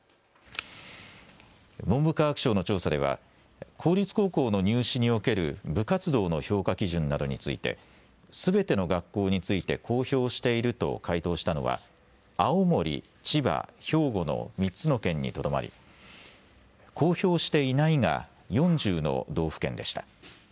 文部科学省の調査では公立高校の入試における部活動の評価基準などについてすべての学校について公表していると回答したのは青森、千葉、兵庫の３つの県にとどまり公表していないが４０の道府県でした。